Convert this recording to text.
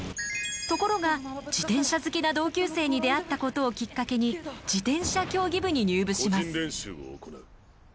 ところが自転車好きな同級生に出会ったことをきっかけに自転車競技部に入部します。